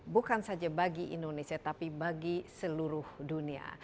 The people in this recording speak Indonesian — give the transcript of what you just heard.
bukan saja bagi indonesia tapi bagi seluruh dunia